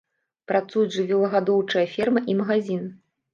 Працуюць жывёлагадоўчая ферма і магазін.